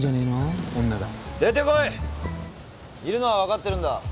いるのは分かってるんだ。